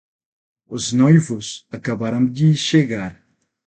Os noivos acabaram de chegar